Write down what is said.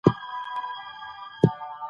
بېوزلي یوازې په مالي مرستو نه ختمېږي.